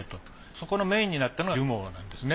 そこのメインになってるのがジュモーなんですね。